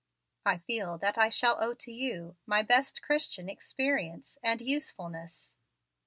I feel that I shall owe to you my best Christian experience and usefulness."